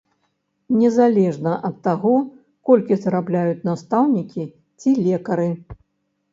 Незалежна ад таго, колькі зарабляюць настаўнікі ці лекары.